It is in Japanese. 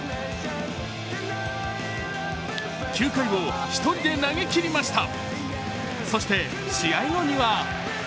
９回を１人で投げきりました。